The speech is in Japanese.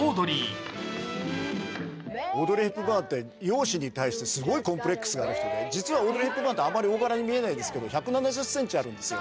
オードリー・ヘプバーンって、容姿に対してすごいコンプレックスがある人で、実はオードリー・ヘプバーンってあまり大柄に見えないですけど、１７０センチあるんですよ。